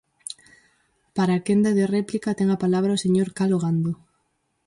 Para a quenda de réplica ten a palabra o señor Cal Ogando.